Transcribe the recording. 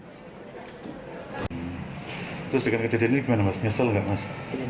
terus dengan kejadian ini gimana mas nyesel nggak mas